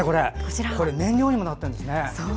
燃料にもなってるんですね。